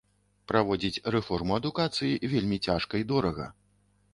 Праводзіць рэформу адукацыі вельмі цяжка і дорага.